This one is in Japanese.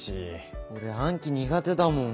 俺暗記苦手だもん。